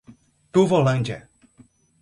Turvolândia